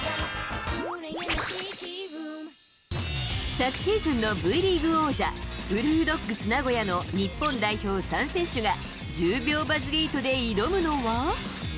昨シーズンのＶリーグ王者、ウルフドッグス名古屋の日本代表３選手が、１０秒バズリートで挑むのは。